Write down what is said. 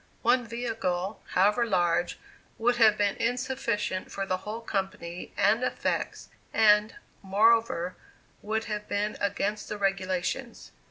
One vehicle, however large, would have been insufficient for the whole company and "effects," and, moreover, would have been against the regulations.